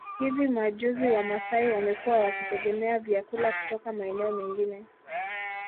Hivi majuzi wamasai wamekuwa wakitegemea vyakula kutoka maeneo mengine